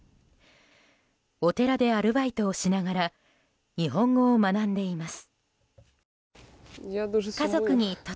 お寺でアルバイトをしながら日本語を学んでいます。